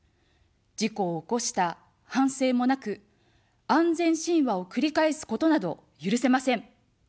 事故を起こした反省もなく、安全神話を繰り返すことなど許せません。